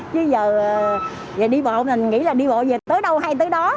chứ giờ đi bộ mình nghĩ là đi bộ về tới đâu hay tới đó